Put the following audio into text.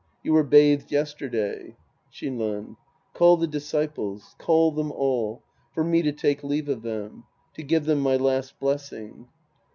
You were bathed yesterday. Shinran. Call the disciples. Call them all. For me to take leave of them. To give them my last bles sing.